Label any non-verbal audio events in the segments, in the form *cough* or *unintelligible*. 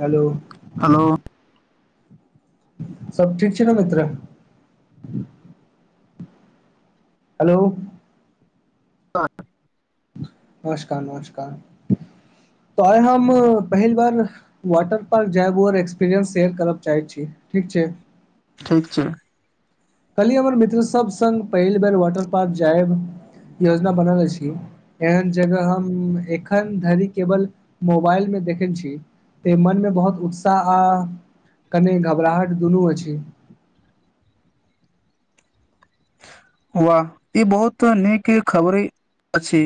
Hello hello सब ठीक छै ने मित्र हेलो हँ नमस्कार नमस्कार तऽ आइ हम पहिल बार वाटर पार्क जायेब आओर एक्सपीरियंस शेयर करय चाहैत छी ठीक छै ठीक छै कल्हि हमर मित्रसभ संग पहिल बेर वाटर पार्क जायब योजना बनल अछि एहन जगह हम एखन धरि केवल मोबाइल मे देखने छी तें मनमे बहुत उत्साह आ कने घबराहट दुनू अछि वाह ई बहुत नीक खबरी अछि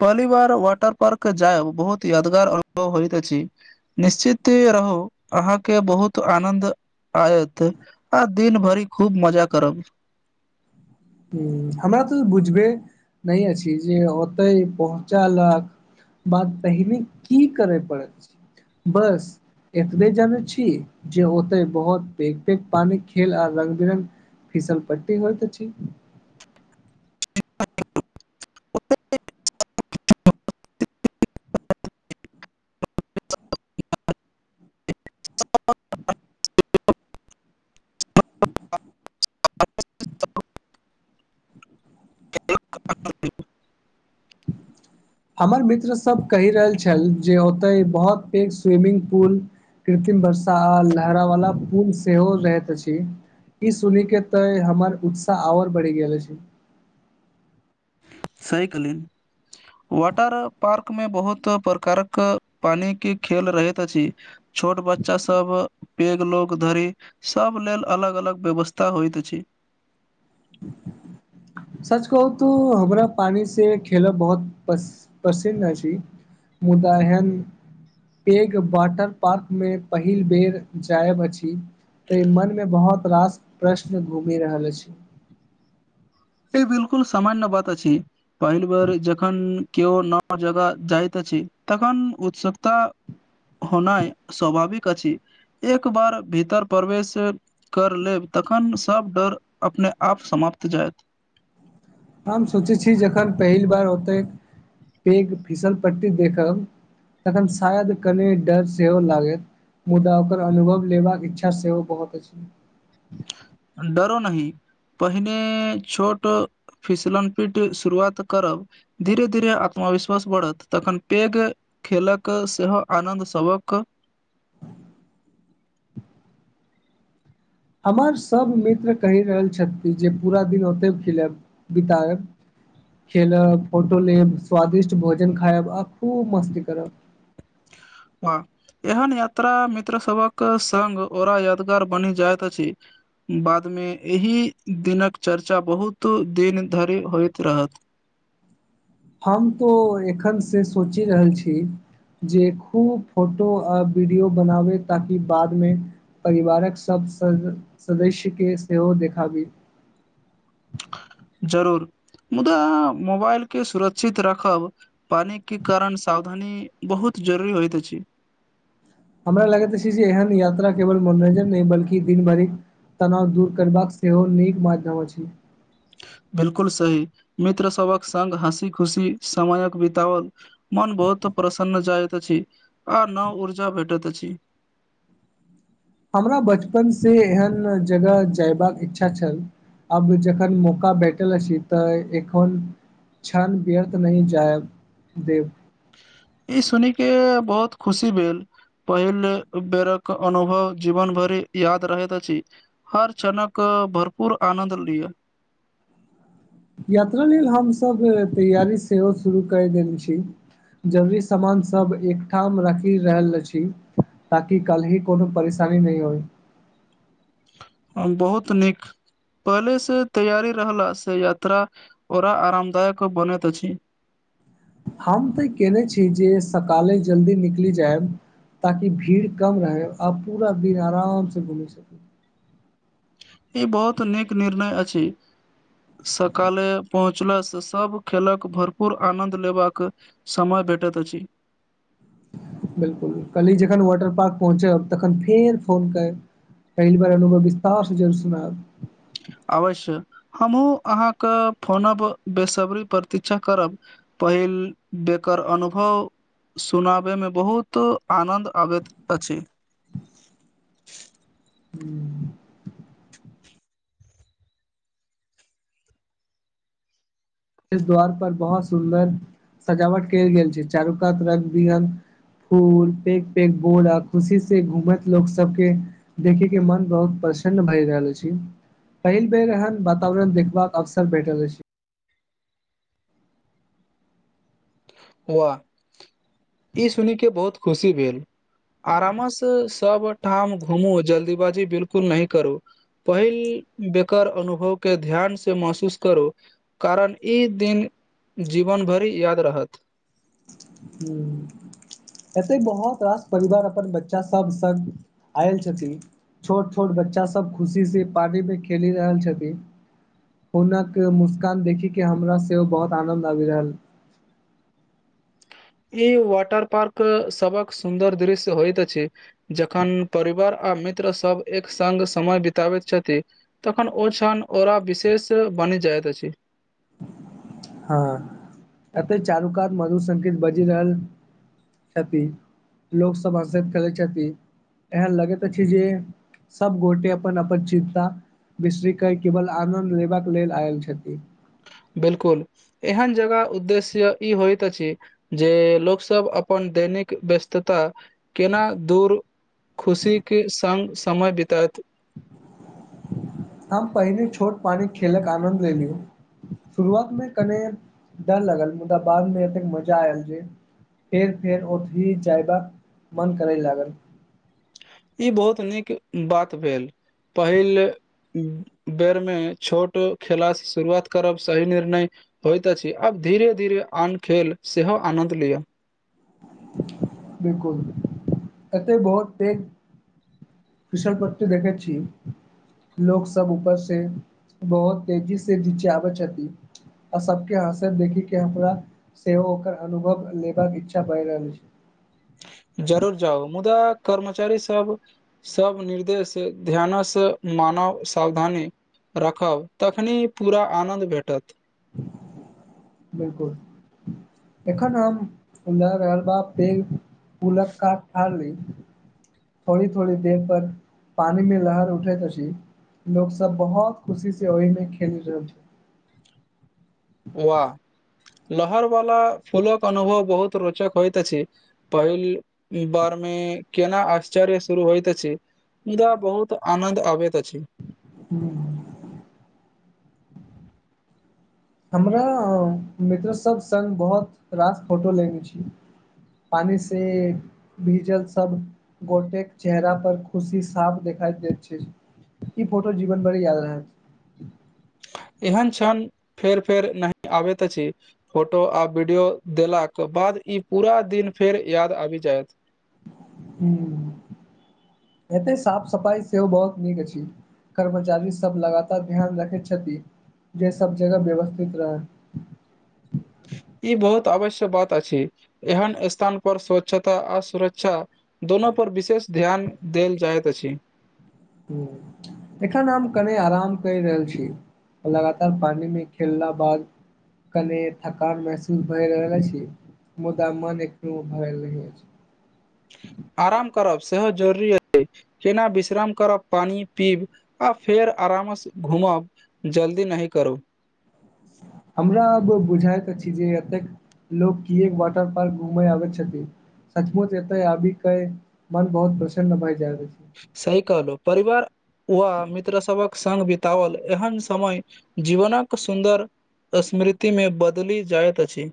पहली बार वाटर पार्क जायब बहुत यादगार अनुभव होइत अछि निश्चित रहू अहाँके बहुत आनन्द आयत आ दिन भरि खूब मजा करब हूँ हमरा तऽ बुझबे नहि अछि जे ओते पहुँचलक बात पहिने की करैत अछि बस एतबे जनैत छी जे ओते बहुत पैघ पैघ पानी खेल आ रंग विरंग फीसल पट्टी होइत अछि *unintelligible* ह *unintelligible* हमर मित्रसभ कहि रहल छल जे ओतय बहुत पैघ स्विमिंग पुल कृत्रिम वर्षा आ लहरा वाला पुल सेहो रहैत अछि ई सुनि के तऽ हमर उत्साह आओर बढ़ि गेल अछि सही कहलियै वाटर पार्क मे बहुत प्रकारक पानी के खेल रहैत अछि छोट बच्चा सब पैघ लोक धरि सब लेल अलग अलग व्यवस्था होइत अछि सच कहू तू हमरा पानि से खेलब बहुत पस पसिन्न अछि मुदा ऐहन पेग वाटर पार्क मे पहिल बेर जायब अछि ते मन मे बहुत रास प्रश्न घूमि रहल अछि ई बिलकुल सामान्य बात अछि पहिल बेर जखन केओ नव जगह जाइत अछि तखन उत्सुकता होनाइ स्वभाविक अछि एक बार भीतर प्रवेश कर लेब तखन सभ डर अपने आप समाप्त जायत हम सोचैत छी जखन पहिल बार ओतेक पैघ फीसल पट्टी देखब तखन शायद कनि डर सेहो लागैत मुदा ओकर अनुभव लेबाक इच्छा सेहो बहुत अछि डरो नहीं पहिने छोटो फिसलन पीट शुरुआत करब धीरे धीरे आत्मविश्वास बढ़त तखन पेघ खेलक सेहो आनन्द सभक हमर सभ मित्र कहि रहल छथि जे पूरा दिन ओतय खिलब बितायब खेलब फोटो लेब स्वादिष्ट भोजन खायब आ खूब मस्ती करब हाँ एहन यात्रा मित्र सबक संग ओरा यादगार बनि जाइत अछि बाद में एहि दिनक चर्चा बहुत दिन धरि होइत रहत हम तो एखन सँ सोचि रहल छी जे खूब फोटो आ वीडियो बनाबे ताकि बाद में परिवारक सब सदस्य के सेहो देखाबी जरूर मुदा मोबाइल के सुरक्षित राखब पानी के कारण सावधानी बहुत जरूरी होइत अछि हमरा लगैत छी जे एहन यात्रा केवल मनोरंजन नहि बल्कि दिन भरिक तनाव दूर करबाक सेहो नीक माध्यम अछि बिलकुल सही मित्र सबक संग हँसी खुशी समयक बिताओल मन बहुत प्रसन्न जाइत अछि आ नव ऊर्जा भेटैत अछि हमरा बचपन सँ एहन जगह जयबाक इच्छा छल अब जखन मौका भेटल अछि तऽ एखन छन व्यर्थ नहि जायब देब ई सुनि के बहुत खुशी भेल पहिल बेरक अनुभव जीवन भरि याद रहैत अछि हर क्षणक भरपूर आनंद लियअ यात्रा लेल हम सब तैयारी सेहो शुरू कर देने छी जरूरी समान सभ एकठाम राखि रहल अछि ताकि कल्ही कोनो परेशानी नहि होइ बहुत नीक पहले से तैयारी रहल से यात्रा ओरा आरामदायक बनैत अछि हम तऽ ई केयने छी जे सकाले जल्दी निकलि जायब ताकि भीड़ कम रह आ पूरा दिन आराम से घूमि सकी ई बहुत नीक निर्णय अछि सकाले पहुंच ला से सभ खेलक भरपूर आनन्द लेबाक समय भेटैत अछि बिलकुल कल्हि जखन वाटर पार्क पहुँचब तखन फेर फोन करि पहिल बेर अनुभव विस्तार सुनाब अवश्य हमहूँ अहाँ के फोन बेसब्री प्रतीक्षा करब पहिल बेकर अनुभव सुनाबै में बहुत आनन्द आबैत अछि *unintelligible* एहि द्वार पर बहुत सुन्दर सजावट कैल गेल छै चारू कात राखि हम फूल पैघ पैघ बोरा आ खुशी से घूमत लोक सबके देखै के मन बहुत प्रसन्न भए रहल अछि पहिल बेर एहन वातावरण देखबाक अवसर भेटल अछि हुआ ई सुनि के बहुत खुशी भेल आरामस्य से सब ठाम घुमू जल्दीबाजी बिलकुल न करू पहिल बेकर अनुभव के ध्यान से महसूस करु कारण ई दिन जीवन भरि याद रहत हू एते बहुत रास परिवार अपन बच्चा सब संग संग आयल छथिन छोट छोट बच्चा सब खुशी से पार्टी में खेली रहल छथिन पहुंचना के मुस्कान देखि के हमरा सेहो बहुत आनन्द आबि रहल ई वाटर पार्क सबक सुन्दर दृश्य होयइत अछि जखन परिवार आ मित्र सब एक संग समय बितबैत छथि तखन ओ छन ओरा विशेष बनि जाइत अछि हाँ एते चारुकात मधु संकेत बजि रहल हेप्पी लोकसभ हंसित करैत छथि एहन लगैत अछि जे सब गोटे अपन अपन चिंता बिसरि कऽ केवल आनंन्द लेबा लेल आयल छथिन बिल्कुल एहन जगह उद्देश्य ई होइत अछि जे लोक सभ अपन दैनिक व्यस्तता केना दूर। खुशीक संग समय बितबैत। हम पहिने छोट पानीमे खेलक आनन्द लैत छलहुँ। शुरुआतमे कनी डर लगल, मुदा बादमे एतेक मजा आयल जे फेर फेर ओतहि जाएबाक मन करय लागल। ई बहुत नीक बात भेल पहिले बेरमे छोट खेलासँ शुरुआत करब सही निर्णय छल। होइत अछि, आब धीरे धीरे आन खेलक सेहो आनन्द लिअ। बिल्कुल, एतय पैघ बहुत। ऋषवपंत देखै छी? लोक सभ ऊपरसँ बहुत तेजीसँ नीचा अबैत छथि। आ सभकेँ हँसैत देखिकऽ हमरा सेहो ओकर अनुभव लेबाक इच्छा भऽ रहल छै। जरूर जाउ, मुदा कर्मचारी सभ। सभ निर्देश ध्यानसँ मानू, सावधानी राखू। रखब तखने पूरा आनन्द भेटत। बिल्कुल, एखन हम ज रहल ब बैंक फुलक कऽ थाली। थोड़ी थोड़ी बेर पर पानिमे लहर उठैत अछि। लोक सभ बहुत खुशीसँ ओहिमे खेलि रहल छै। वहाँ लहर बला फूलक अनुभव बहुत रोचक होइत अछि। पहिल बेरमे कतेक आश्चर्य होइत अछि, मुदा धीरे धीरे आदत पड़ि जाइत अछि। मुदा बहुत आनन्द अबैत अछि। हू हमरा मित्र सभ संग बहुत रास फोटो लेने छी। पानी से भीजल सभ गोटेक चेहरा पर खुशी साफ देखाइ दैत अछि। ई फोटो जीवन भरि याद रहैत। एहन क्षण फेर फेर नहि अबैत अछि। फोटो आ वीडियो देखलाक बाद ई पूरा दिन फेर याद आबि जायत। हूँ, एतेक साफ सफाइ सेहो बहुत नीक अछि। कर्मचारी सभ लगातार ध्यान रखैत छथि जे सभ जगह व्यवस्थित रहै। ई बहुत आवश्यक बात अछि, एहन स्थान पर स्वच्छता आ सुरक्षा। दूनू पर विशेष ध्यान देल जाइत अछि। एखन हम कनी आराम कऽ रहल छी। लगातार पानिमे खेललाक बाद। कनी थकान महसूस भऽ रहल अछि, मुदा मन एखनहुँ भरल रहैत अछि। आराम करब सेहो जरूरी अछि। जेना विश्राम करब, पानी पीब आ फेर आरामसँ घूमब। जल्दी नही करो हमरा आब बुझाइत अछि जे एतेक लोक कियाक वाटर पार्क घूमए अबैत छथि। सचमुच, एतेक आबि मन बहुत प्रसन्न भऽ जाइत अछि। सही कहलहुँ, परिवार व मित्र सभक। संग बिताओल एहन समय जीवनक सुन्दर स्मृतिमे बदलि जाइत अछि।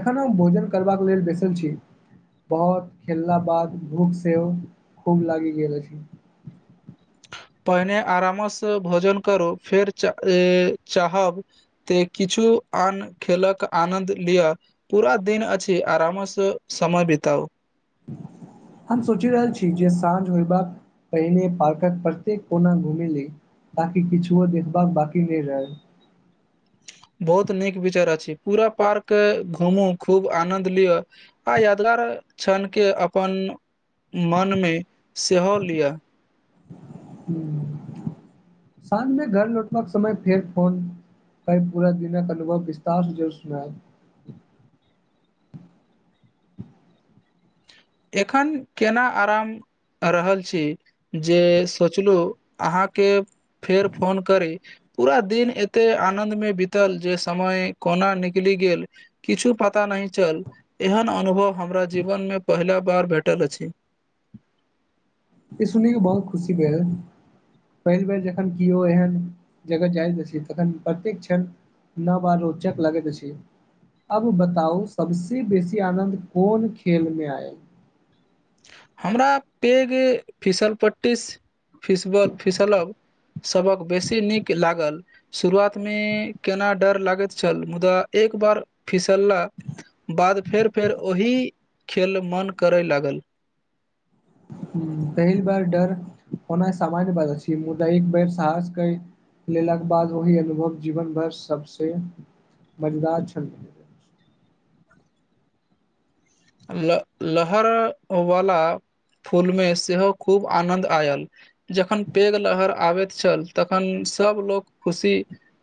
एखन हम भोजन करबाक लेल बैसल छी। बहुत खेललाक बाद भूख सेहो खूब लागि गेल अछि। पहिने आरामसँ भोजन करू, फेर चाहब। तऽ किछु आन खेलक आनन्द लिअ। पूरा दिन अछि, आरामसँ समय बिताउ। हम सोचि रहल छी जे साँझ होइबा। पहिने पार्कक प्रत्येक कोना घूम ली ताकि किछुओ देखबाक बाकी नैय रहल बहुत नीक विचार अछि पूरा पार्क घूमू खूब आनद लिअ आ यादगार छण के अपन मन मे सेहो लिअ शाझ मे घर लौटबाक समय फेर फोन आई पूरा दिनक अनुभव विस्तार जरुर सुनाएब एखन केना आराम आ रहल छी जे सोचलहुँ अहाँके फेर फोन करी पूरा दिन एते आनद मे बीतल जे समय कोना निकलि गेल किछु पता नहि चल एहन अनुभव हमरा जीवन मे पहिला बार भेटल अछि ई सुनि के बहुत खुशी भेल पहिल बेर जखन केओ एहन जगह जाइत अछि तखन प्रत्येक्षण न बालो चेक लगेत अछि अब बताउ सबसे बेसी आनन्द कोन खेल में आयल हमरा पे गे फिसल पटीस फिसबल फिसलब सबक बेसी नीक लागल शुरुआत मे केना डर लागैत छल मुदा एक बार फिसलला बाद फेर फेर ओहि खेल मन करैय लागल पहिल बार डर होना सामान्य बाद छी मुदा एक बेर साहसके लेलाके बाद ओहि अनुभव जीवन भर सबसे मजदार क्षण गेल। ल लहर अवाला फूल मे सेहो खूब आनन्द आयल जखन पेघ लहर आबैत छल तखन सब लोक खुशी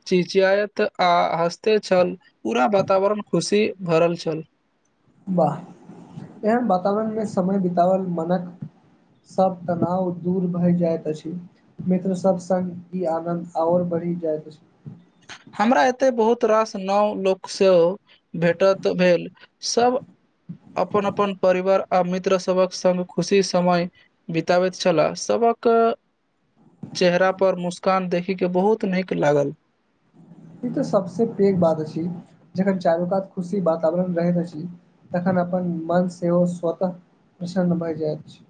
चिचायत आ हँसते छल पूरा वातावरण खुशी भरल छल वाह एहन वातावरण मे समय बितावल मनक सभ तनाव दूर भए जाइत अछि मित्र सब संग ई आनन्द आओर बढ़ी जायत अछि हमरा एते बहुत रास नौव लोक से भेटत भेल सब अपन अपन परिवर आ मित्र सबक संग खुशी समय बिताबैत छलाह सभहक चेहरा पर मुस्कान देखी के बहुत नीक लागल ई तऽ सबसँ पैघ बात अछि जखन चारू कात खुशी वातावरण रहैत अछि तखन अपन मन सेहो स्वतः प्रसन्न भए जाइत छै